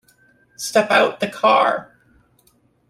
Step out the car.